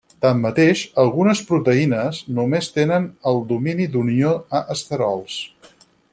Tanmateix, algunes proteïnes només tenen el domini d'unió a esterols.